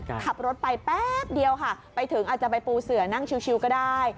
ขับรถไปแป๊บเดียวค่ะไปถึงอาจจะไปปูเสือนั่งชิวก็ได้